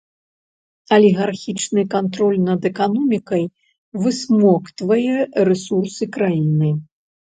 Алігархічны кантроль над эканомікай высмоктвае рэсурсы краіны.